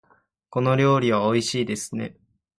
この料理はおいしいですね。